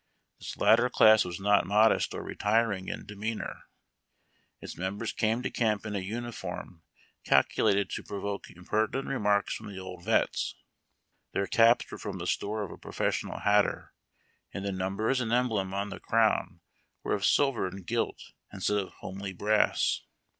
This latter class was not modest or retiring in demeanor. Its members came to camp in a uniform calcu lated to provoke impertinent remarks from the old vets. Their caps were from the store of a professional hatter, and the numbers and emblem on the crown were of silver and gilt iustead of homely brass.